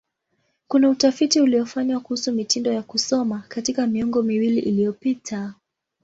Kuna utafiti uliofanywa kuhusu mitindo ya kusoma katika miongo miwili iliyopita.